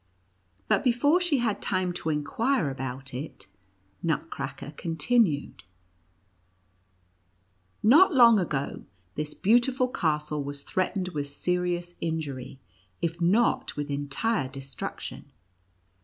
But before she had time to inquire about it, Nutcracker continued :" Not long ago, this beautiful castle was threatened with serious injury, if not with entire destruction.